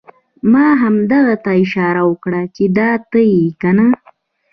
ما همده ته اشاره وکړه چې دا ته یې کنه؟!